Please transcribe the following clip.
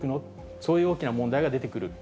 そういう大きな問題が出てくる。